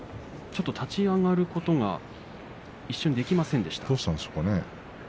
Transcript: ちょっと立ち上がることが一瞬できませんでした。